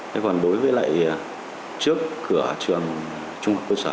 thế còn đối với lại trước cửa trường trung học cơ sở